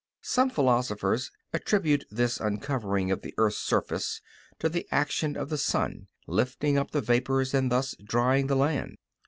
Some philosophers attribute this uncovering of the earth's surface to the action of the sun lifting up the vapors and thus drying the land.